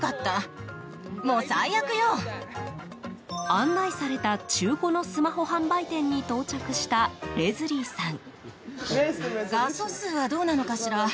案内された中古のスマホ販売店に到着したレズリーさん。